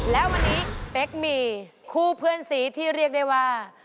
และวันนี้เป๊กมีคู่เพื่อนซีที่เรียกได้ว่า